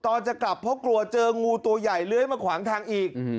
จะกลับเพราะกลัวเจองูตัวใหญ่เลื้อยมาขวางทางอีก